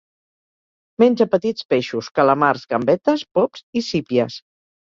Menja petits peixos, calamars, gambetes, pops i sípies.